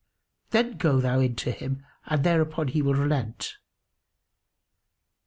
Then go thou in to him and thereupon he will relent."